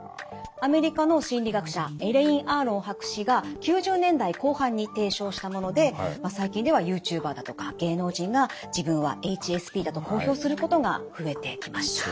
アメリカの心理学者エレイン・アーロン博士が９０年代後半に提唱したもので最近ではユーチューバーだとか芸能人が自分はＨＳＰだと公表することが増えてきました。